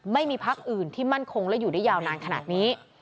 ไม่มีพักอื่นที่มั่นคงและอยู่ได้ยาวนานขนาดนี้